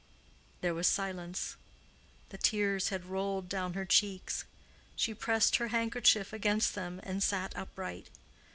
There was silence. The tears had rolled down her cheeks. She pressed her handkerchief against them and sat upright.